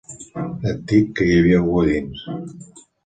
Et dic que hi havia algú a dins.